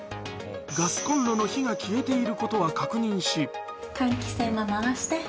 ガスコンロの火が消えていることは確認し。